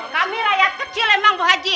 kami rakyat kecil emang bu haji